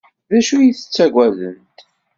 D acu ay ttaggadent?